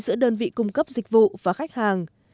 giữa đơn vị cung cấp dịch vụ và khách hàng